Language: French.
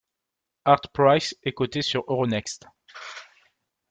Artprice est coté sur Euronext.